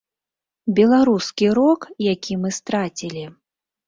Беларускі рок, які мы страцілі.